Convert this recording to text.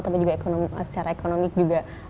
tapi juga secara ekonomi juga